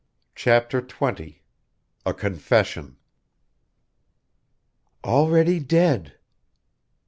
CHAPTER XX A CONFESSION " Already dead!"